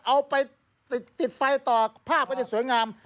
เอาไปติดไฟต่อผ้าจะสวยงาม